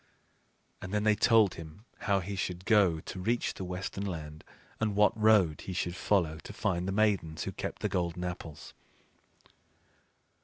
And then they told him how he should go to reach the Western Land, and what road he should follow to find the Maidens who kept the golden apples.